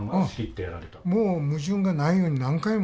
もう矛盾がないように何回も。